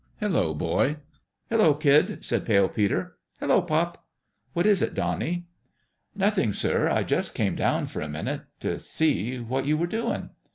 " Hello, boy !"" Hello, kid !" said Pale Peter. " Hello, pop !" "What is it, Donnie?" " Nothing, sir. I just came down for a minute to see what you were doing."